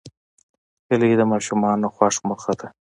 هیلۍ د ماشومانو خوښ مرغه ده